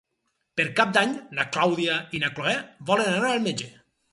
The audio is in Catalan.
Per Cap d'Any na Clàudia i na Cloè volen anar al metge.